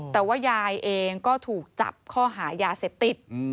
แต่ว่ายายเองก็ถูกจับข้อหายาเสพติด